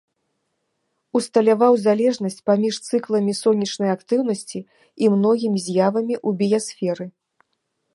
Усталяваў залежнасць паміж цыкламі сонечнай актыўнасці і многімі з'явамі ў біясферы.